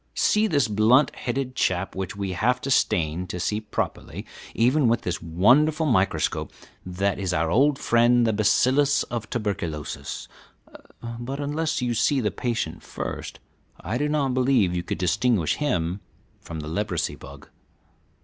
See this blunt headed chap which we have to stain to see properly, even with this wonderful microscope; that is our old friend the bacillus of tuberculosis; but unless you see the patient first I do not believe you could distinguish him from the leprosy bug.